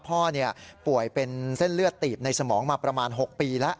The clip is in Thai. พ่อป่วยเป็นเส้นเลือดตีบในสมองมาประมาณ๖ปีแล้ว